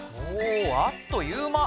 おあっという間。